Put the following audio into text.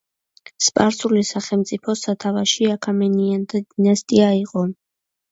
სპარსული სახელმწიფოს სათავეში აქემენიანთა დინასტია იყო.